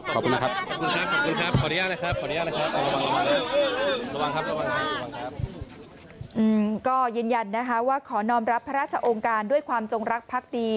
ก็ยืนยันนะคะว่าขอน้องรับพระราชองค์การด้วยความจงรักพักดี